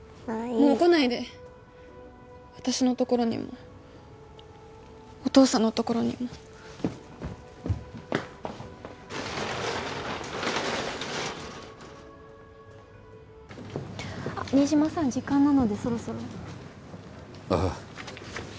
もう来ないで私のところにもお父さんのところにも新島さん時間なのでそろそろああ